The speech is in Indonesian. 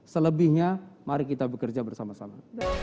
selebihnya mari kita bekerja bersama sama